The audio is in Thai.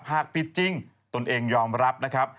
หากผิดจริงตนเองยอมรับนะครับ